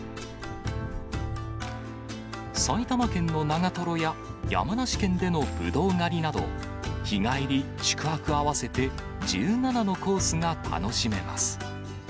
埼玉県の長瀞や山梨県でのぶどう狩りなど、日帰り、宿泊合わせて１７のコースが楽しめます。